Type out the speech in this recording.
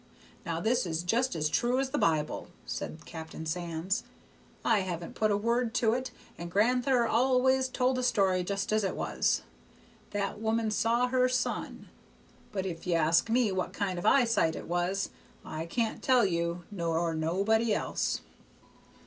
Now this is just as true as the Bible," said Captain Sands. "I haven't put a word to it, and gran'ther al'ays told a story just as it was. That woman saw her son; but if you ask me what kind of eyesight it was, I can't tell you, nor nobody else."